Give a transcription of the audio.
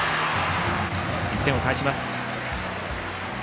１点を返します。